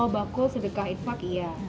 bakul wang sedekah infak iya